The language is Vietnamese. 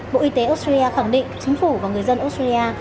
bộ y tế australia khẳng định chính phủ và người dân australia